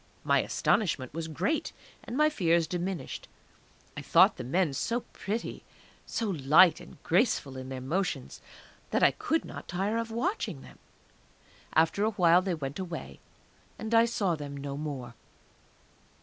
My astonishment was great, and my fears diminished. I thought the men so pretty, so light and graceful in their motions, that I could not tire of watching them. After a while they went away, and I saw them no more.